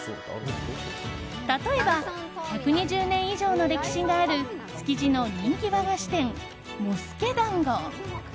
例えば１２０年以上の歴史がある築地の人気和菓子店茂助だんご。